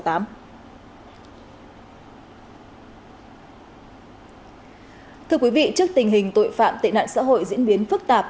thưa quý vị trước tình hình tội phạm tệ nạn xã hội diễn biến phức tạp